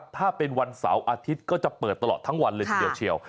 ถ้าเป็นวันเสาร์อาทิตย์ก็จะเปิดตลอดทั้งวันเลยทีเดียวเชียว